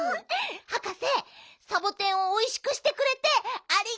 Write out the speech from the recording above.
はかせサボテンをおいしくしてくれてありがとう。